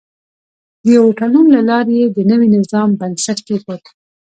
د یوه تړون له لارې یې د نوي نظام بنسټ کېښود.